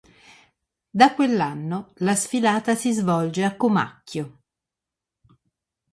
Da quell'anno, la sfilata si svolge a Comacchio.